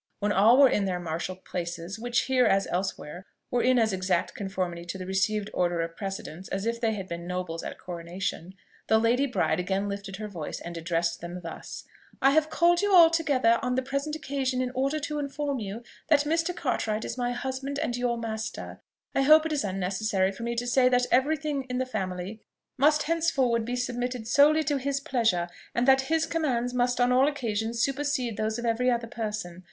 When all were in their marshalled places, which here, as elsewhere, were in as exact conformity to the received order of precedence as if they had been nobles at a coronation, the lady bride again lifted her voice and addressed them thus: "I have called you all together on the present occasion in order to inform you that Mr. Cartwright is my husband and your master. I hope it is unnecessary for me to say that every thing in the family must henceforward be submitted solely to his pleasure, and that his commands must on all occasions supersede those of every other person.